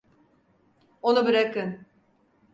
Onu bırakın!